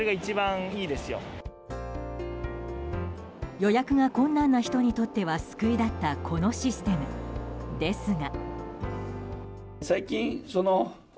予約が困難な人にとっては救いだった、このシステム。ですが。